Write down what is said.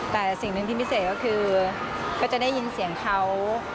แต่สิ่งหนึ่งที่พิเศษก็คือก็จะได้ยินเสียงเขา